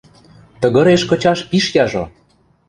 Тыгыреш кычаш пиш яжо!